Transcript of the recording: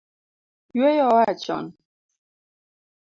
Yueyo oa chon